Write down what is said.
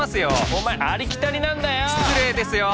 お前ありきたりなんだよ！失礼ですよ！